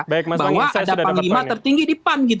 saya sudah dapat panglima tertinggi